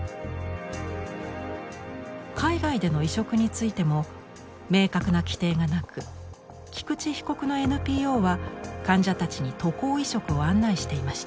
海外での移植についても明確な規定がなく菊池被告のＮＰＯは患者たちに渡航移植を案内していました。